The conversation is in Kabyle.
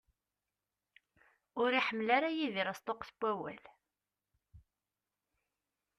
Ur iḥemmel ara Yidir asṭuqqet n wawal.